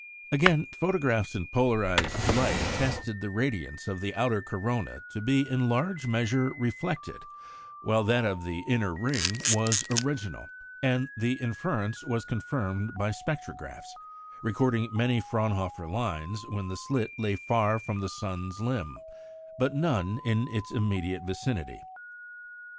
Again, photographs in polarised light attested the radiance of the outer corona to be in large measure reflected, while that of the inner ring was original; and the inference was confirmed by spectrographs, recording many Fraunhofer lines when the slit lay far from the sun's limb, but none in its immediate vicinity.